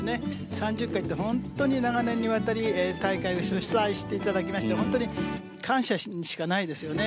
３０回って非常に長年にわたり大会を主催していただきまして本当に感謝しかないですよね。